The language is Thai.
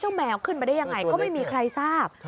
แมวขึ้นมาได้ยังไงก็ไม่มีใครทราบ